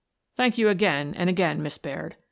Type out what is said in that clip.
Thank you, again and again, Miss Baird.